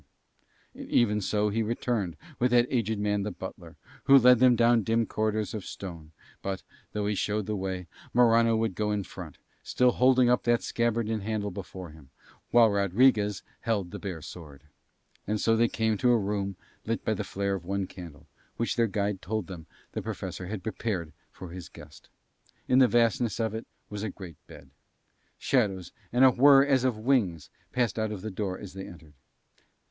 And even so he returned with that aged man the butler, who led them down dim corridors of stone; but, though he showed the way, Morano would go in front, still holding up that scabbard and handle before him, while Rodriguez held the bare sword. And so they came to a room lit by the flare of one candle, which their guide told them the Professor had prepared for his guest. In the vastness of it was a great bed. Shadows and a whir as of wings passed out of the door as they entered.